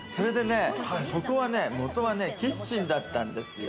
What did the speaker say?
ここは元はキッチンだったんですよ。